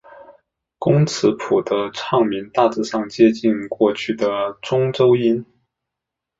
工尺谱的唱名大致上接近过去的中州音。